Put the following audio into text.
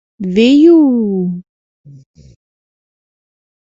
— Вею!..